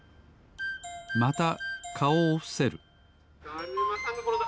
またかおをふせるだるまさんがころんだ！